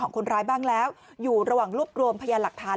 คนร้ายบ้างแล้วอยู่ระหว่างรวบรวมพยานหลักฐาน